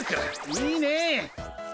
いいねっ！